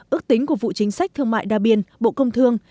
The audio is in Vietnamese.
ước tính của vụ chính sách thương mại đa biên bộ công thương